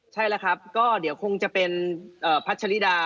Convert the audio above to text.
ใช่แล้วครับก็เดี๋ยวคงจะเป็นพัชริดา